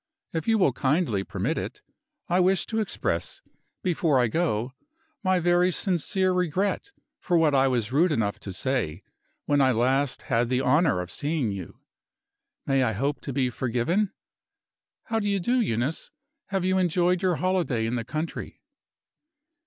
If you will kindly permit it, I wish to express, before I go, my very sincere regret for what I was rude enough to say, when I last had the honor of seeing you. May I hope to be forgiven? How do you do, Eunice? Have you enjoyed your holiday in the country?"